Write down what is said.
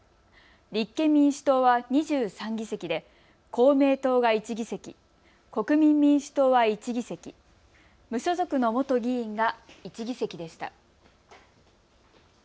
立憲民主党は２３議席で公明党が１議席、国民民主党は１議席、無所属の元議員が１議席でした。